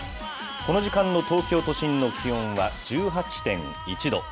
この時間の東京都心の気温は１８．１度。